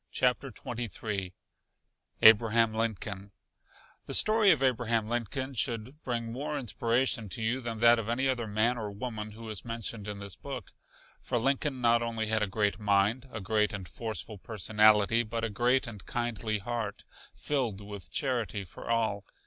CHAPTER XXIII ABRAHAM LINCOLN The story of Abraham Lincoln should bring more inspiration to you than that of any other man or woman who is mentioned in this book. For Lincoln not only had a great mind, a great and forceful personality, but a great and kindly heart, filled with charity for all.